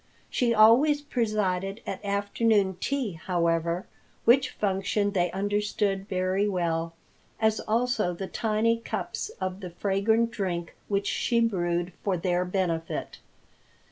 She always presided at afternoon tea, however, which function they understood very well, as also the tiny cups of the fragrant drink which she brewed for their benefit.